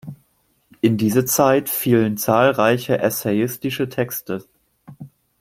In diese Zeit fielen zahlreiche essayistische Texte.